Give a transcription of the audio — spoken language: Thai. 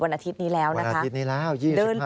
อาทิตย์นี้แล้วนะคะอาทิตย์นี้แล้ว